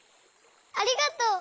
ありがとう！